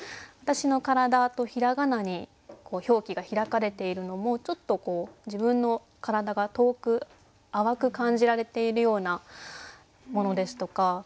「わたしのからだ」とひらがなに表記がひらかれているのもちょっとこう自分の体が遠く淡く感じられているようなものですとか。